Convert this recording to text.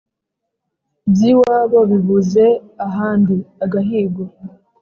by'iwabo bibuze ahandi (agahigo)